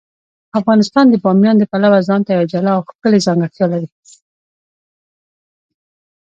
افغانستان د بامیان د پلوه ځانته یوه جلا او ښکلې ځانګړتیا لري.